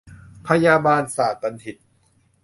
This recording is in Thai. พยาบาลศาตรบัณฑิต